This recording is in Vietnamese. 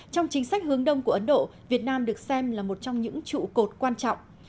trong chính sách hướng đông của ấn độ việt nam được xem là một trong những trụ cột quan trọng